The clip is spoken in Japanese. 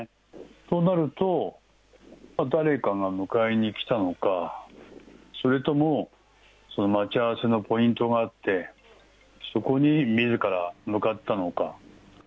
そうなると、誰かが迎えに来たのか、それとも待ち合わせのポイントがあって、そこにみずから向かったのか。